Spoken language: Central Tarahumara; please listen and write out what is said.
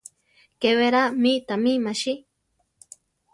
Ke berá mi tami machí.